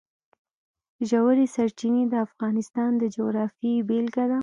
ژورې سرچینې د افغانستان د جغرافیې بېلګه ده.